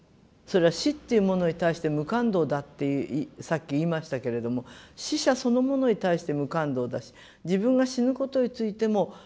死っていうものに対して無感動だってさっき言いましたけれども死者そのものに対して無感動だし自分が死ぬことについても怖くない。